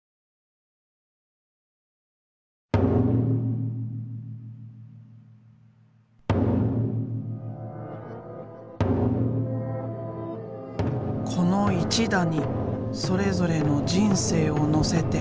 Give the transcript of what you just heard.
この一打にそれぞれの人生を乗せて。